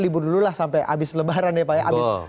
libur dulu lah sampai habis lebaran ya pak ya